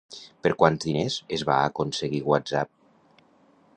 Per quants diners es va aconseguir WhatsApp?